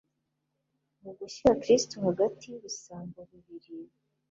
Mu gushyira Kristo hagati y'ibisambo bibiri,